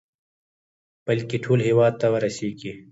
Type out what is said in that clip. بلكې ټول هېواد ته ورسېږي.